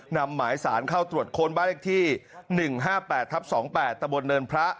นำหมายสารเข้าตรวจคนบ้านเล็กที่๑๕๘๒๘ตเนินพระ